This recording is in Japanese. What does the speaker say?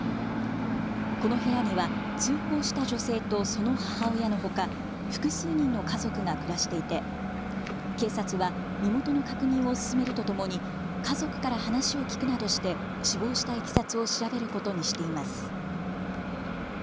この部屋には通報した女性とその母親のほか複数人の家族が暮らしていて警察は身元の確認を進めるとともに家族から話を聞くなどして死亡したいきさつを調べることにしています。